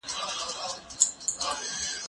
سفر وکړه،